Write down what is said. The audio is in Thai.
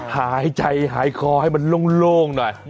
หายใจหายคอให้มันโล่งหน่อย